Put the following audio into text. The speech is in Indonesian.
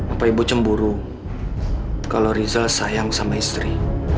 apa ibu cemburu kalau rizal sayang sama istri